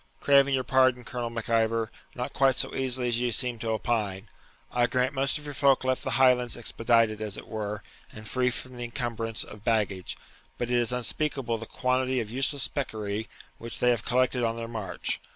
'Craving your pardon, Colonel Mac Ivor, not quite so easily as ye seem to opine. I grant most of your folk left the Highlands expedited as it were, and free from the incumbrance of baggage; but it is unspeakable the quantity of useless sprechery which they have collected on their march.